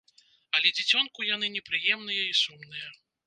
Але дзіцёнку яны не прыемныя і сумныя.